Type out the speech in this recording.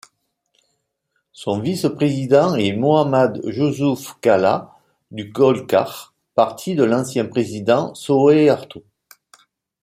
Son vice-président est Muhammad Jusuf Kalla, du Golkar, parti de l'ancien président Soeharto.